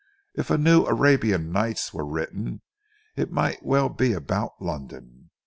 If a new 'Arabian Nights' were written, it might well be about London.